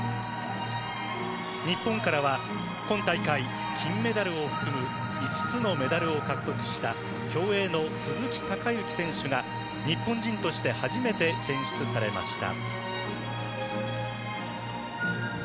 日本からは今大会金メダルを含む５つのメダルを獲得した競泳の鈴木孝幸選手が日本人として初めて選出されました。